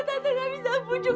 tante gak bisa pujuk